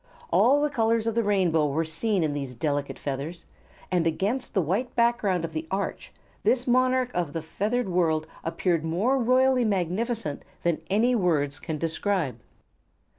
All the colors of the rainbow were seen in these delicate feathers, and against the white background of the arch this monarch of the feathered world appeared more royally magnificent than any words can describe.